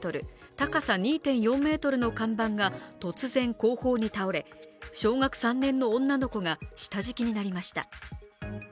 高さ２．４ｍの看板が突然後方に倒れ小学３年の女の子が下敷きになりました。